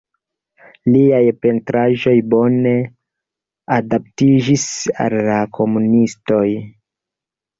Liaj pentraĵoj bone adaptiĝis al la komunistoj.